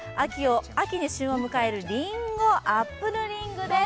秋に旬を迎えるりんご、アップルリングです。